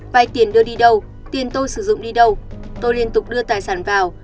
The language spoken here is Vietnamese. vay tiền đưa đi đâu tiền tôi sử dụng đi đâu tôi liên tục đưa tài sản vào